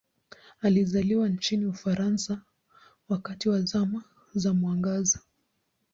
Alizaliwa nchini Ufaransa wakati wa Zama za Mwangaza.